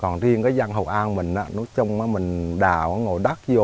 nhưng cái văn hậu an mình nó trông mình đào nó ngồi đắt vô